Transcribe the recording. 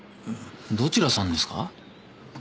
どちらさんですか？